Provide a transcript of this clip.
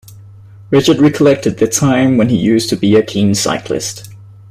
Richard recollected the time when he used to be a keen cyclist.